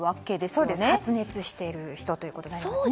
そうですね、発熱している人ということになりますね。